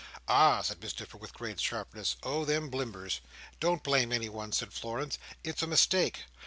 "Ah," said Miss Nipper, with great sharpness, "Oh, them 'Blimbers'" "Don't blame anyone," said Florence. "It's a mistake."